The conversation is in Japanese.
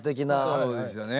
そうですよね。